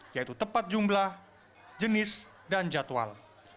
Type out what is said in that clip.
yaitu tepat jumlah jenis dan jadwal